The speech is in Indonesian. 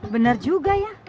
benar juga ya